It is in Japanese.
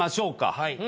はい。